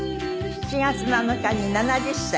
７月７日に７０歳。